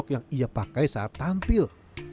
yang ia pakai saat tampil